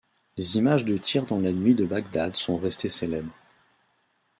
Les images de tirs dans la nuit de Bagdad sont restées célèbres.